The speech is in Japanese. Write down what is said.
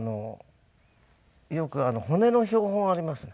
よく骨の標本ありますね。